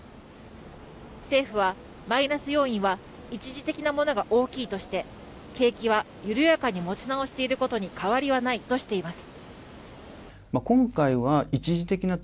政府はマイナス要因は一時的なものが大きいとして景気は緩やかに持ち直していることに変わりはないとしています。